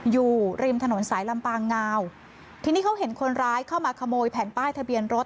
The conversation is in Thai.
อยู่ริมถนนสายลำปางงาวทีนี้เขาเห็นคนร้ายเข้ามาขโมยแผ่นป้ายทะเบียนรถ